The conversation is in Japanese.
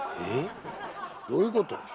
どういうこと？